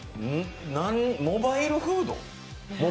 モバイルフード？